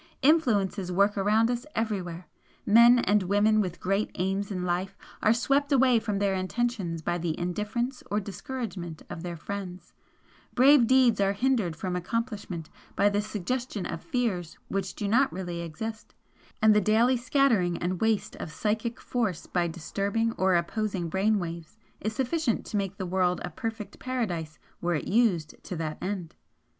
Influences work around us everywhere, men and women with great aims in life are swept away from their intentions by the indifference or discouragement of their friends brave deeds are hindered from accomplishment by the suggestion of fears which do not really exist and the daily scattering and waste of psychic force and powerful mentality by disturbing or opposing brain waves, is sufficient to make the world a perfect paradise were it used to that end."